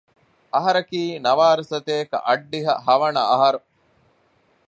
އަހަރަކީ ނަވާރަސަތޭކަ އަށްޑިހަ ހަވަނަ އަހަރު